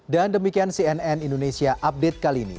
dan demikian cnn indonesia update kali ini